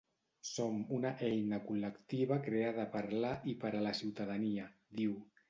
Som una eina col·lectiva creada per la i per a la ciutadania, diu.